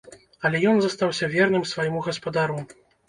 Але ён застаўся верным свайму гаспадару.